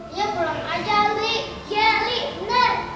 iya pulang aja li iya li bener